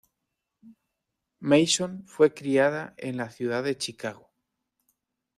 Mason fue criada en la ciudad de Chicago.